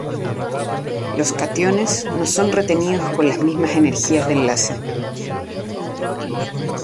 Los cationes no son retenidos con las mismas energías de enlace.